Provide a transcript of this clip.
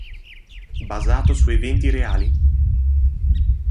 Basato su eventi reali.